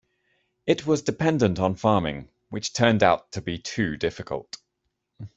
It was dependent on farming, which turned out to be too difficult.